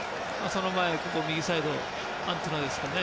その前右サイドのアントゥナですかね。